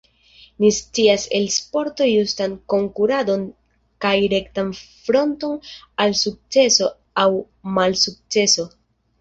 Ni scias el sporto justan konkuradon kaj rektan fronton al sukceso aŭ malsukceso.